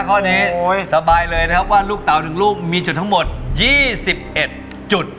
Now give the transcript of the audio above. ข้อนี้สบายเลยนะครับว่าลูกเต่า๑ลูกมีจุดทั้งหมด๒๑จุด